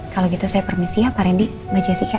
kalau gitu saya permisi ya pak rendy mbak jessica